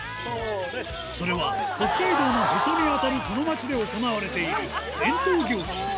それは北海道のへそに当たるこの町で行われている伝統行事。